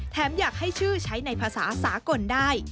แถมอยากให้ชื่อใช้ในภาษาศาสตร์กลได้